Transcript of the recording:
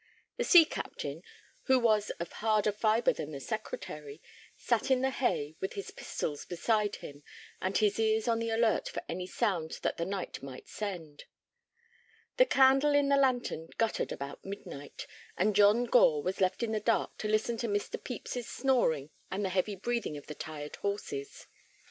The sea captain, who was of harder fibre than the Secretary, sat in the hay with his pistols beside him and his ears on the alert for any sound that the night might send. The candle in the lantern guttered about midnight, and John Gore was left in the dark to listen to Mr. Pepys's snoring and the heavy breathing of the tired horses.